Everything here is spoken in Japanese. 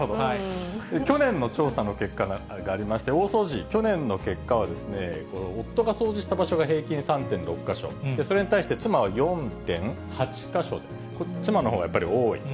去年の調査の結果がありまして、大掃除、去年の結果はですね、夫が掃除した場所が平均３．６か所、それに対して妻は４．８か所で、妻のほうがやっぱり多い。